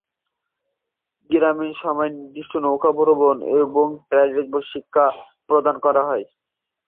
গ্রীষ্মের সময় নির্দেশিত নৌকা ভ্রমণ এবং প্যাডেলবোর্ড শিক্ষা প্রদান করা হয়।